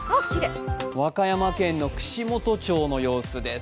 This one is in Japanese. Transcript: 和歌山県の串本町の様子です。